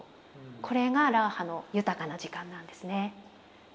これがラーハの豊かな時間なんですね。